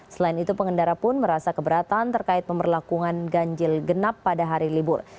selain itu pengendara pun merasa keberatan terkait pemberlakuan ganjil genap pada hari libur